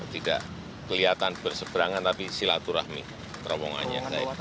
tidak kelihatan berseberangan tapi silaturahmi terowongannya